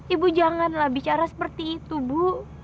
ibu janganlah bicara seperti itu bu